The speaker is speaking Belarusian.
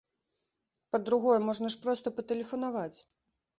Па-другое, можна ж проста патэлефанаваць!